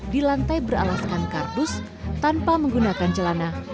di lantai beralaskan kardus tanpa menggunakan celana